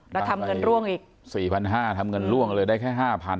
แล้วทำเงินร่วงอีก๔๕๐๐ทำเงินล่วงเลยได้แค่๕๐๐